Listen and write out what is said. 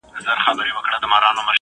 موږ پلان جوړوو